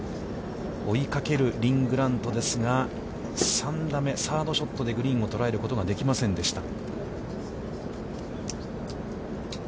追いかけるリン・グラントですが、３打目、サードショットでグリーンを捉えることができませんでした。